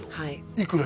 いくら？